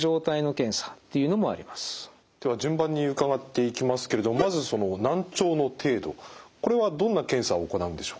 では順番に伺っていきますけれどもまずその難聴の程度これはどんな検査を行うんでしょうか？